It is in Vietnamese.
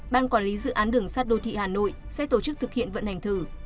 ban quản lý dự án đường sắt đô thị hà nội sẽ tổ chức thực hiện vận hành thử